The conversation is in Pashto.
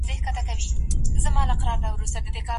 واده کولو ته څنګه بايد بشپړ چمتووالی ونيول سي؟